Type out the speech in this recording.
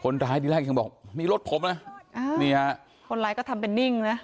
คนร้ายที่แรกยังบอกนี่รถผมนะอ่านี่ฮะคนร้ายก็ทำเป็นนิ่งนะ